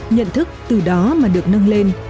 nhận thức từ đó mà được nâng lên